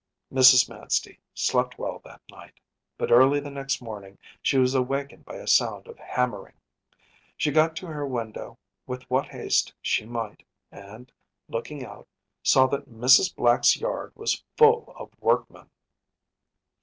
‚ÄĚ Mrs. Manstey slept well that night, but early the next morning she was awakened by a sound of hammering. She got to her window with what haste she might and, looking out saw that Mrs. Black’s yard was full of workmen.